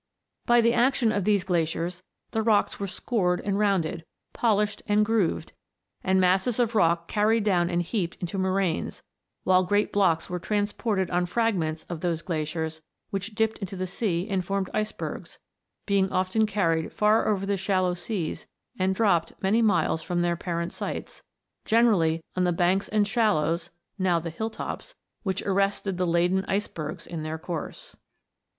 By the action of these glaciers the rocks were scored and rounded, polished and grooved, and masses of rock carried down and heaped into moraines; while great blocks were transported on fragments of those glaciers which dipped into the sea and formed icebergs, being often carried far over the shallow seas and dropped many miles from their parent sites, gene rally on the banks and shallows (now the hill tops) which arrested the laden icebergs in their course.